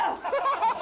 ハハハハ！